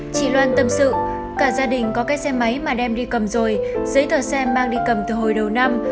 chị loan tâm sự cả gia đình có cái xe máy mà đem đi cầm rồi giấy tờ xe mang đi cầm từ hồi đầu năm